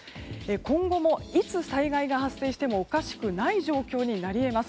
今後もいつ災害が発生してもおかしくない状況になり得ます。